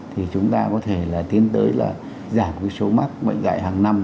thì chúng ta có thể là tiến tới là giảm cái số mắc bệnh dạy hàng năm